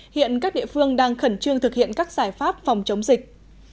hiện các địa phương đang khẩn trương thực hiện các giải pháp phòng chống dịch